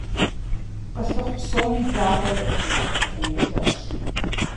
Къылъыхъу псоми дагъуэ яхуищӏурэ къыдэнэжащ.